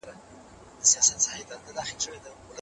ویښتان د اندېښنې وړ تویېدل لرونکي وي.